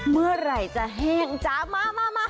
เมื่อไหร่จะแห้งจ๊ะมา